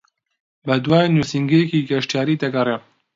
بەدوای نووسینگەیەکی گەشتیاری دەگەڕێم.